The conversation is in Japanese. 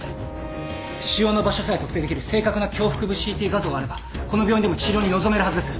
腫瘍の場所さえ特定できる正確な胸腹部ＣＴ画像があればこの病院でも治療に臨めるはずです。